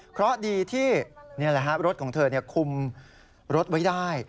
เพราะดีที่รถของเธอคุมรถไว้ได้